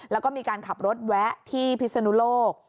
แล้วก็มีการขับรถแวะที่พิศนุโลก